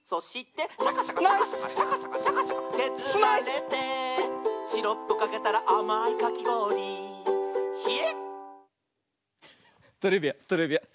「シャカシャカシャカシャカシャカシャカシャカシャカけずられて」「シロップかけたらあまいかきごおりヒエっ！」トレビアントレビアン。